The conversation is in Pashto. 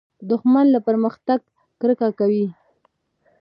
دښمن له پرمختګه کرکه کوي